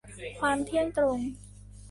ความเที่ยงตรง